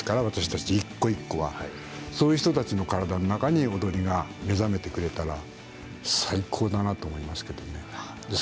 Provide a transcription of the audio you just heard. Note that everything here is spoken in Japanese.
私たち一個一個ははそういう人たちの体の中に踊りが目覚めてくれたら最高だなと思いますけどね。